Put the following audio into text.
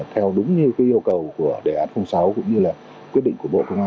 theo đúng như yêu cầu của đề án sáu cũng như là quyết định